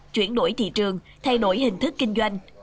chuyển đổi thị trường thay đổi hình thức kinh doanh